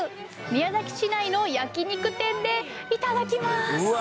宮崎市内の焼き肉店で頂きます！